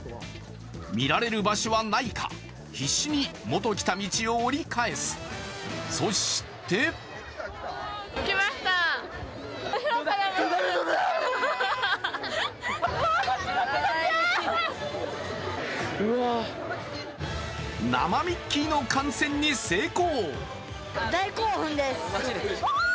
見られる場所はないか必死にもと来た道を折り返す、そして生ミッキーの観戦に成功！